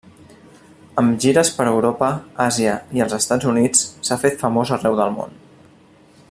Amb gires per Europa, Àsia i els Estats Units, s'ha fet famós arreu del món.